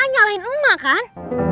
nyalahin emak kan